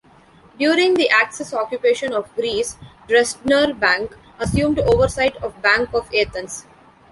During the Axis Occupation of Greece, Dresdner Bank assumed oversight of Bank of Athens.